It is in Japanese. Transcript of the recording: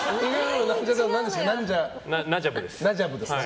ナジャブですか。